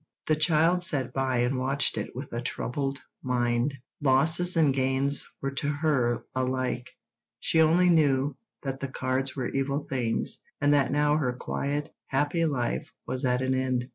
The child sat by and watched it with a troubled mind. Losses and gains were to her alike. She only knew that the cards were evil things, and that now her quiet, happy life was at an end.